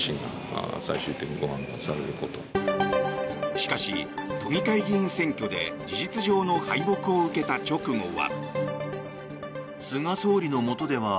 しかし、都議会議員選挙で事実上の敗北を受けた直後は。